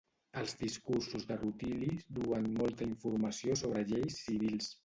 Els discursos de Rutili duen molta informació sobre lleis civils.